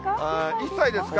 １歳ですか？